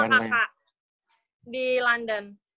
atau nggak sama kakak di london